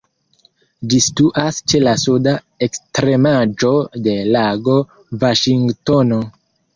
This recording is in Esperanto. Ĝi situas ĉe la suda ekstremaĵo de Lago Vaŝingtono.